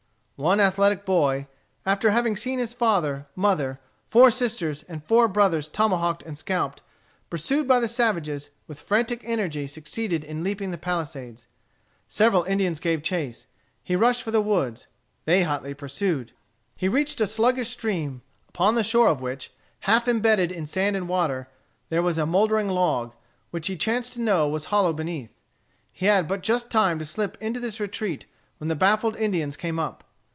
One athletic boy, after having seen his father, mother, four sisters, and four brothers tomahawked and scalped, pursued by the savages, with frantic energy succeeded in leaping the palisades. Several Indians gave chase. He rushed for the woods. They hotly pursued. He reached a sluggish stream, upon the shore of which, half imbedded in sand and water, there was a mouldering log, which he chanced to know was hollow beneath. He had but just time to slip into this retreat, when the baffled Indians came up.